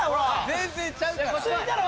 全然ちゃうから。